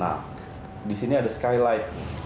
nah di sini ada skylight